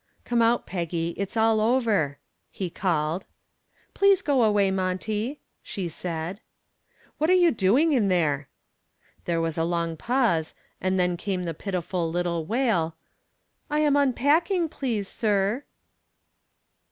"Come out, Peggy; it's all over," he called. "Please go away, Monty," she said. "What are you doing in there?" There was a long pause, and then came the pitiful little wail: "I am unpacking, please, sir."